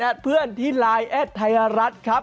และเพื่อนที่ไลน์แอดไทยรัฐครับ